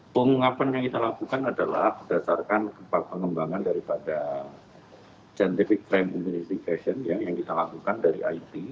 pengungkapan yang kita lakukan adalah berdasarkan pengembangan daripada scientific crime investigation yang kita lakukan dari it